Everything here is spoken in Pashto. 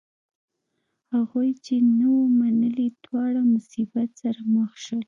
هغوی چې نه و منلی دواړه مصیبت سره مخ شول.